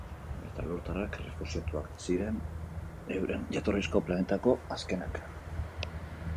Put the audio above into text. Estralurtarrak errefuxiatuak ziren, euren jatorrizko planetako azkenak.